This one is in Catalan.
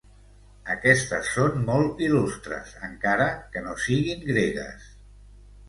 Aquestes són molt il·lustres, encara que no siguin gregues.